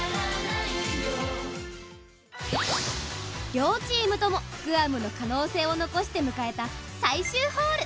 両チームともグアムの可能性を残して迎えた最終ホール。